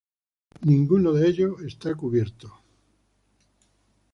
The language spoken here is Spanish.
Ninguno de ello está cubierto.